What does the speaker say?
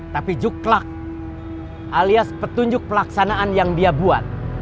tapi juk klak alias petunjuk pelaksanaan yang dia buat